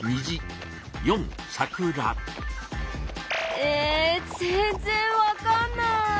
え全然わかんない。